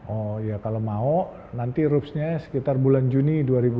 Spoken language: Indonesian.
oh ya kalau mau nanti routesnya sekitar bulan juni dua ribu delapan belas